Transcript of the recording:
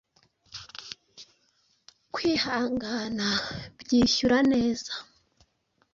Kwihangana byishyura neza,